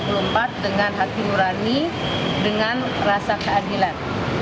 pemilu dua ribu dua puluh empat dengan hati urani dengan rasa keadilan